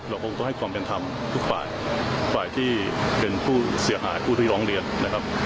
เราคงต้องให้ความเป็นธรรมทุกฝ่ายฝ่ายที่เป็นผู้เสียหายผู้ที่ร้องเรียนนะครับ